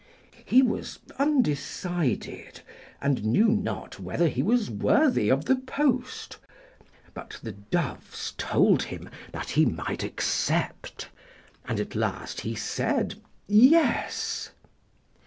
He was undecided, and knew not whether he was worthy of the post; but the Doves told him that he might accept, and at last he said 'Yes.'